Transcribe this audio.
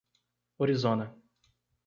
Orizona